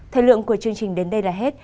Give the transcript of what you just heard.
thời lượng của chương trình đến đây là hết